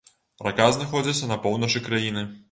Рака знаходзіцца на поўначы краіны.